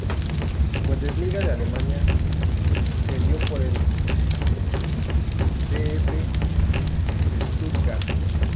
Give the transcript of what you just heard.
Bundesliga de Alemania, cedido por el VfB Stuttgart.